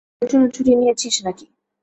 আমার বিয়ে জন্য ছুটি নিয়েছিস নাকি?